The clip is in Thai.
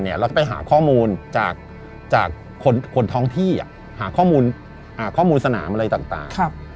เราจะไปหาข้อมูลจากคนท้องที่หาข้อมูลสนามอะไรต่าง